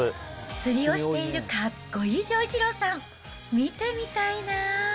釣りをしているかっこいい丈一郎さん、見てみたいなあ。